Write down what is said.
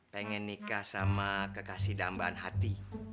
pengen nikah sama kekasih dambaan hati